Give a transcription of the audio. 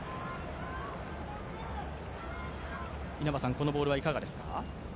このボールはいかがですか？